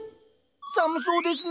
寒そうですね。